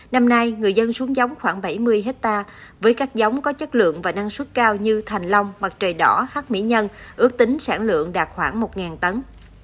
năm nay người dân xuống giống khoảng bảy mươi hectare với các giống có chất lượng và năng suất cao như thành long mặt trời đỏ hát mỹ nhân ước tính sản lượng đạt khoảng một tấn